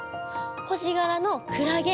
星がらのクラゲ。